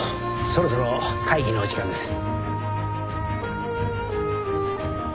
そろそろ会議のお時間です。